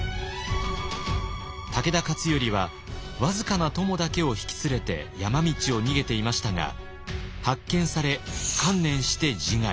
武田勝頼は僅かな供だけを引き連れて山道を逃げていましたが発見され観念して自害。